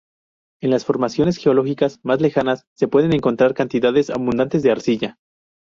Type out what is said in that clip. En las formaciones geológicas más lejanas se pueden encontrar cantidades abundantes de Arcilla.